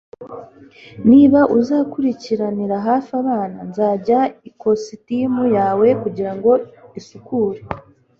niba uzakurikiranira hafi abana, nzajyana ikositimu yawe kugirango isukure